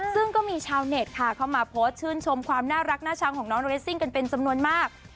ซึ่งก็มีชาวเน็ตค่ะเข้ามาโพสต์ชื่นชมความน่ารักน่าชังของน้องเรสซิ่งกันเป็นจำนวนมาก